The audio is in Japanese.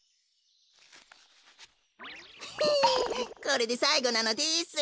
これでさいごなのです。